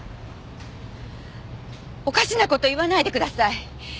おかしな事言わないでください。